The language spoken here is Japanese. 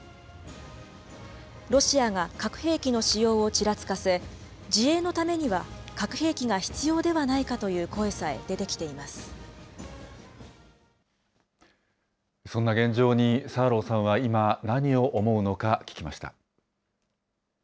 ロシアが核兵器の使用をちらつかせ、自衛のためには核兵器が必要ではないかという声さえ出てきていまそんな現状にサーローさんは今、何を思うのか、聞きました。